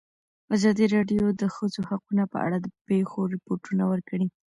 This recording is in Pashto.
ازادي راډیو د د ښځو حقونه په اړه د پېښو رپوټونه ورکړي.